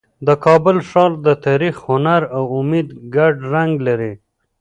د کابل ښار د تاریخ، هنر او امید ګډ رنګ لري.